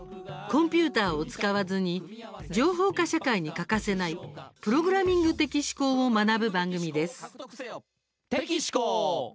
コンピューターを使わずに情報化社会に欠かせないプログラミング的思考を学ぶ番組です。